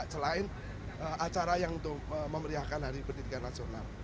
selain acara yang untuk memeriahkan hari pendidikan nasional